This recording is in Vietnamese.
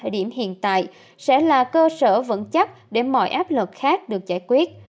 điểm hiện tại sẽ là cơ sở vững chắc để mọi áp lực khác được giải quyết